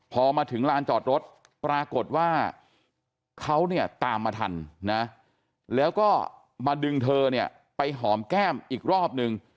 พอมาถึงลานจอดรถปรากฏว่าเขาเนี่ยตามมาทันนะแล้วก็มาดึงเธอเนี่ยไปหอมแก้มอีกรอบนึง